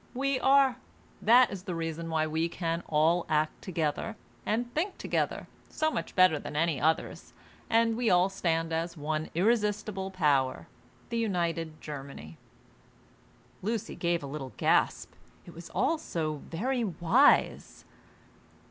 We are. That is the reason why we can all act together, and think together, so much better than any others; and we all stand as one irresistible power, the United Germany." Lucy gave a little gasp! it was all so very wise.